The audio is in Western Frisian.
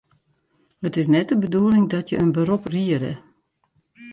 It is net de bedoeling dat je in berop riede.